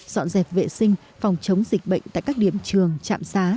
dọn dẹp vệ sinh phòng chống dịch bệnh tại các điểm trường trạm xá